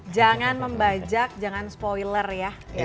jangan membajak jangan spoiler ya